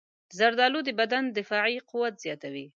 زردالو د بدن دفاعي قوت زیاتوي.